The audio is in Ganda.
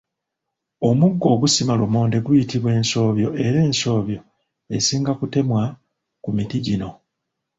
Omuggo ogusima lumonde guyitibwa ensobyo era ensobyo esinga kutemwa ku miti gino.